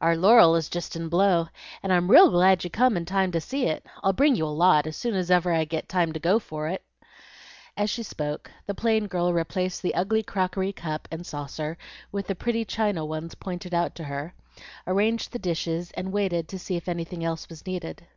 "Our laurel is jest in blow, and I'm real glad you come in time to see it. I'll bring you a lot, as soon's ever I get time to go for it." As she spoke, the plain girl replaced the ugly crockery cup and saucer with the pretty china ones pointed out to her, arranged the dishes, and waited to see if anything else was needed.